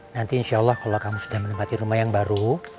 nanti insya allah kalau kamu sudah menempati rumah yang baru